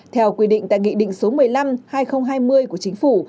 theo quy định tại nghị định số một mươi năm hai nghìn hai mươi của chính phủ